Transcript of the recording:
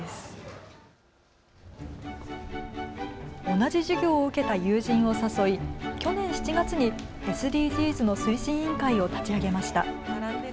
同じ授業を受けた友人を誘い、去年７月にＳＤＧｓの推進委員会を立ち上げました。